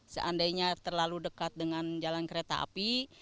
seandainya terlalu dekat dengan jalan kereta api